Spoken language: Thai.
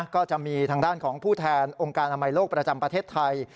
ก็จะมีทางด้านของผู้แทนองค์การอนามัยโลกประจำประเทศไทย